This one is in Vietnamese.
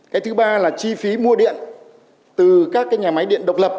cái thứ ba là chi phí mua điện từ các nhà máy điện độc lập